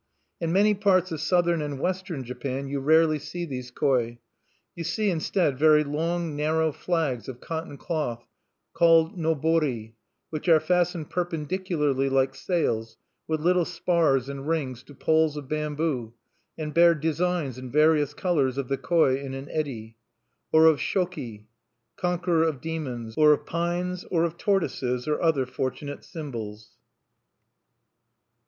In many parts of southern and western Japan you rarely see these koi. You see, instead, very long narrow flags of cotton cloth, called nobori, which are fastened perpendicularly, like sails, with little spars and rings to poles of bamboo, and bear designs in various colors of the koi in an eddy, or of Shoki, conqueror of demons, or of pines, or of tortoises, or other fortunate symbols.